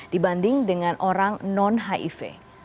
dibanding dengan orang non hiv